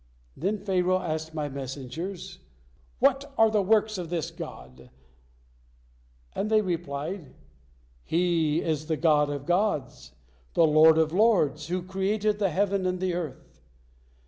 Then Pharaoh asked My messengers, 'What are the works of this God?' and they replied, 'He is the God of gods, the Lord of lords, who created the heaven and the earth.'